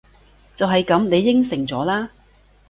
就係噉！你應承咗喇！